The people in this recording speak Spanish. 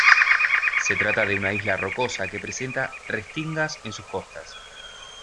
Se trata de una isla rocosa que presenta restingas en sus costas.